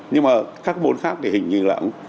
nhưng mà các bốn khác thì hình như là